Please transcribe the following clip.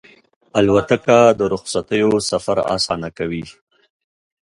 الوتکه د رخصتیو سفر اسانه کوي.